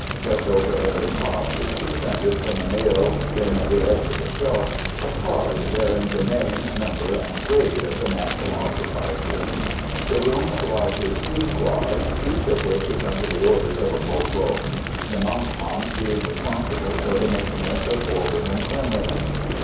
Just over every cot is suspended, from a nail in the edge of the shelf, a card bearing the name, number and grade of the man who occupies it. The room lodges two squads, each of which is under the orders of a corporal; the "non coms" being responsible for the maintenance of order and cleanliness.